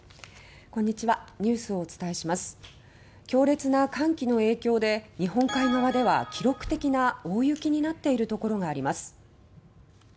強烈な寒気の影響で日本海側では記録的な大雪となっているところがあります。